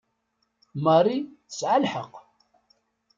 Marie tesɛa lḥeqq.